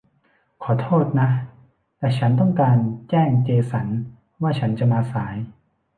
ขอโทษนะ แต่ฉันต้องการแจ้งเจสันว่าฉันจะมาสาย